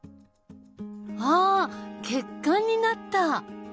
あ血管になった！